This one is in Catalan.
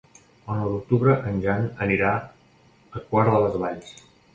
El nou d'octubre en Jan anirà a Quart de les Valls.